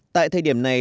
tại thời điểm này